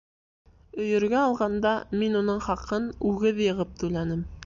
— Өйөргә алғанда мин уның хаҡын үгеҙ йығып түләнем.